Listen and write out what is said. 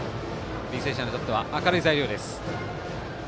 履正社にとっては明るい材料です。